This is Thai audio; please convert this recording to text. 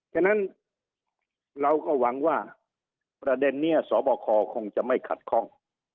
ฉะนั้นเราก็หวังว่าประเด็นนี้สบคคงจะไม่ขัดข้อง